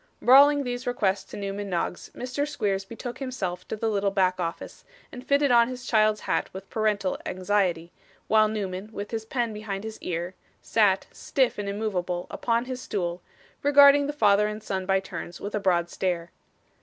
Bawling these requests to Newman Noggs, Mr. Squeers betook himself to the little back office, and fitted on his child's hat with parental anxiety, while Newman, with his pen behind his ear, sat, stiff and immovable, on his stool, regarding the father and son by turns with a broad stare.